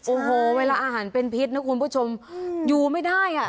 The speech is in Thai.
โอ้โหเวลาอาหารเป็นพิษนะคุณผู้ชมอยู่ไม่ได้อ่ะ